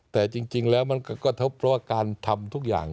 แต่จริงแล้วมันก็ทบเพราะว่าการทำทุกอย่าง